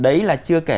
đấy là chưa kể